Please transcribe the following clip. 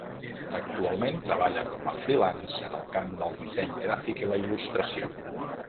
Actualment treballa com a freelance en el camp del disseny gràfic i la il·lustració.